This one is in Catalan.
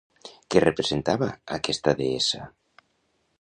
Què representava aquesta deessa?